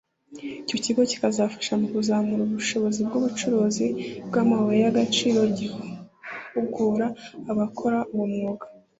Icyo kigo kikazafasha mu kuzamura ubushobozi bw’ubucukuzi bw’amabuye y’agaciro gihugura abakora uwo mwuga